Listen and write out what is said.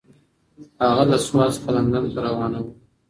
هغه له سوات څخه لندن ته روانه وه.